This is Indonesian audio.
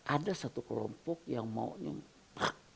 ada satu kelompok yang mau nyumpah